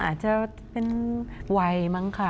อาจจะวายมั้งค่ะ